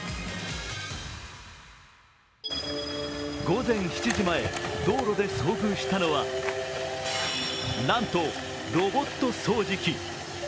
午前７時前、道路で遭遇したのはなんとロボット掃除機。